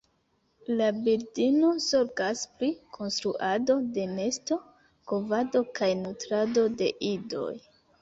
La birdino zorgas pri konstruado de nesto, kovado kaj nutrado de idoj.